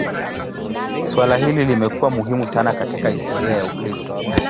Suala hili limekuwa muhimu sana katika historia ya Ukristo.